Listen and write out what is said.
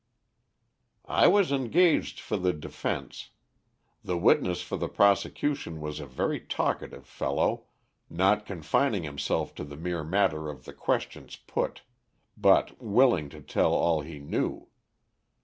"I was engaged for the defense. The witness for the prosecution was a very talkative fellow, not confining himself to the mere matter of the questions put, but willing to tell all he knew.